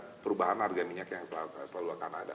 ada perubahan harga minyak yang selalu akan ada